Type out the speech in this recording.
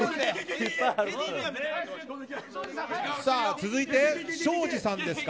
続いて、庄司さんですか。